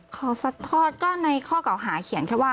เขาสัดทอดก็ในข้อกล่าวหาเขียนแค่ว่า